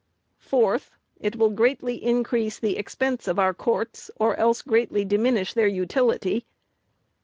"4th. It will greatly increase the expense of our courts, or else greatly diminish their utility.